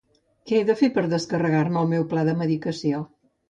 Què he de fer per descarregar-me el meu pla de medicació?